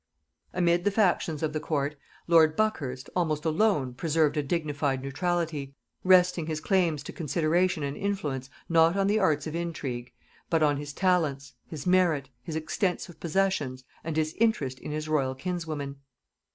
Amid the factions of the court, lord Buckhurst, almost alone, preserved a dignified neutrality, resting his claims to consideration and influence not on the arts of intrigue, but on his talents, his merit, his extensive possessions, and his interest in his royal kinswoman.